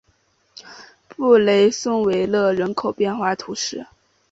布雷松维勒人口变化图示